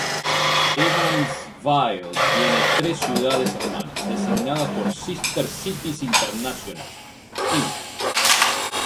Evansville tiene tres ciudades hermanas, designadas por Sister Cities International, Inc.